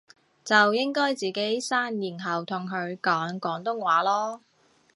就應該自己生然後同佢講廣東話囉